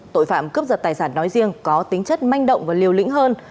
tội phạm cướp giật tài sản nói riêng có tính chất manh động và liều lĩnh hơn